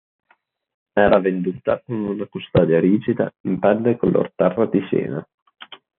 Era venduta con una custodia rigida in pelle color terra di siena.